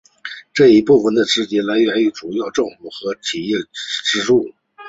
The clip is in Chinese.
这一部分的资金来源主要是政府和企业资助。